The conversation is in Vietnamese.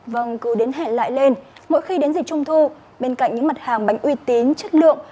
vâng cứ đến hẹn lại lên mỗi khi đến dịp trung thu bên cạnh những mặt hàng bánh uy tín chất lượng